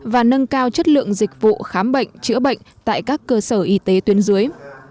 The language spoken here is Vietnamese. và nâng cao chất lượng dịch vụ khám bệnh chữa bệnh tại các cơ sở y tế tuyến dưới